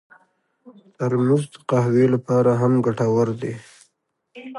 ترموز د قهوې لپاره هم ګټور دی.